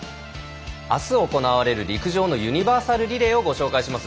あす行われる陸上ユニバーサルリレーをご紹介します。